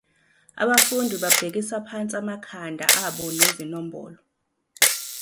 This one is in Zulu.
Abafundi babhekisa phansi amakhadi abo ezinombolo.